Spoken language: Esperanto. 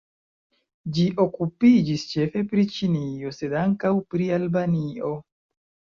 Ĝi okupiĝis ĉefe pri Ĉinio, sed ankaŭ pri Albanio.